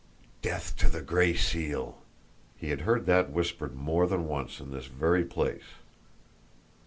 "DEATH TO THE GRAY SEAL!" he had heard that whispered more than once in this very place.